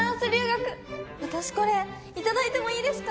私これ頂いてもいいですか？